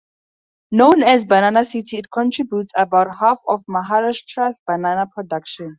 Known as Banana City, it contributes about half of Maharashtra's banana production.